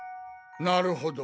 なるほど。